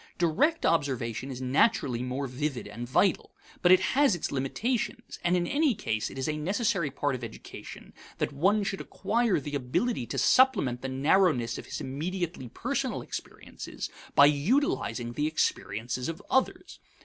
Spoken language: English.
Direct observation is naturally more vivid and vital. But it has its limitations; and in any case it is a necessary part of education that one should acquire the ability to supplement the narrowness of his immediately personal experiences by utilizing the experiences of others.